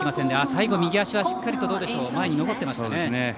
最後、右足はしっかり前に残っていましたかね。